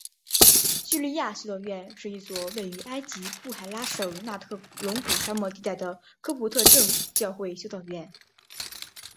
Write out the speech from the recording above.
叙利亚修道院是一所位于埃及布海拉省纳特隆谷沙漠地带的科普特正教会修道院。